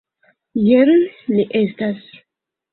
Jen li estas.